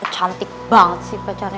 cantik banget sih pacarnya